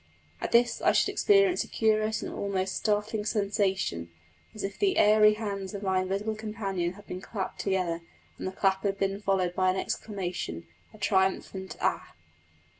At this I should experience a curious and almost startling sensation, as if the airy hands of my invisible companion had been clapped together, and the clap had been followed by an exclamation a triumphant "Ah!"